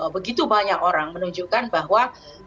begitu banyak orang menunjukkan bahwa